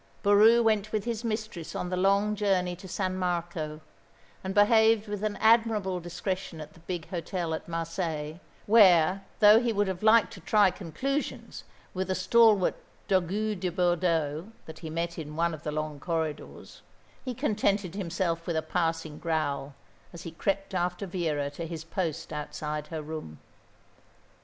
Boroo went with his mistress on the long journey to San Marco, and behaved with an admirable discretion at the big hotel at Marseilles, where, though he would have liked to try conclusions with a stalwart dogue de Bordeaux that he met in one of the long corridors, he contented himself with a passing growl as he crept after Vera to his post outside her room.